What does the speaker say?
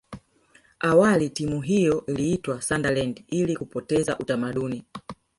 awali timu hiyo iliitwa sunderland ili kupoteza utamaduni